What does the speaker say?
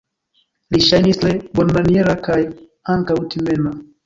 Li ŝajnis tre bonmaniera kaj ankaŭ timema.